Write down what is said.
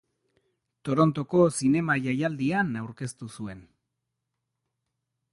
Torontoko Zinema Jaialdian aurkeztu zuen.